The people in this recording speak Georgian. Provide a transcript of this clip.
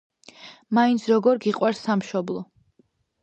მაინც როგორ გიყვარს სამშობლო?